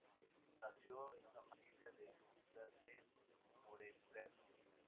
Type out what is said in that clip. Nació en una familia de artistas de Núremberg.